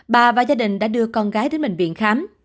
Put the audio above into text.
bà và gia đình đã đưa con gái đến bệnh viện khám